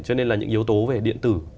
cho nên là những yếu tố về điện tử